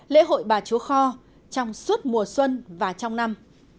lễ hội bà chúa kho trong suốt mùa xuân và trong năm